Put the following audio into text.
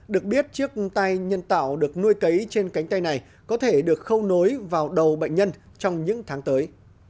được biết chiếc tay nhân tạo được nuôi cấy trên cánh tay này có thể được khâu nối vào đầu bệnh nhân trong những tháng tới